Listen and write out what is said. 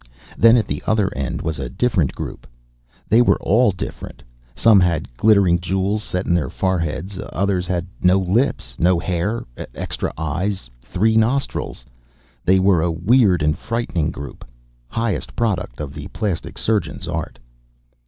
Then at the other end was a different group. They were all different. Some had glittering jewels set in their foreheads, others had no lips, no hair, extra eyes, three nostrils. They were a weird and frightening group, highest product of the plastic surgeon's art.